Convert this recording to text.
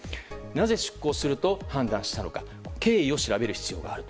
なぜ出航すると判断したのか経緯を調べる必要がある。